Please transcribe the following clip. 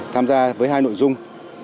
tham gia với hai nội dung